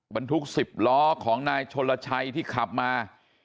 บรรทุก๑๐ล้อของนายชนลชัยที่ขับมา